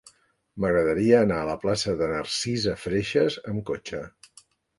M'agradaria anar a la plaça de Narcisa Freixas amb cotxe.